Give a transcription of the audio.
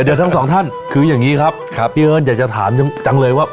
เดี๋ยวทั้งสองท่านคืออย่างนี้ครับพี่เอิ้นอยากจะถามจังเลยว่า